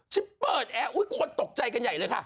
ฉันเปิดแอร์อุ๊ยคนตกใจกันใหญ่เลยค่ะ